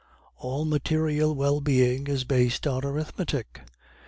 "All material well being is based upon arithmetic.